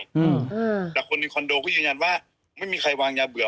อืมอ่าแต่คนในคอนโดก็ยืนยันว่าไม่มีใครวางยาเบื่อ